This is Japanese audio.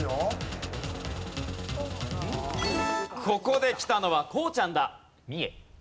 ここできたのはこうちゃんだ。